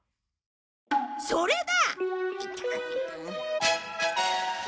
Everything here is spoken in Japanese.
それだ！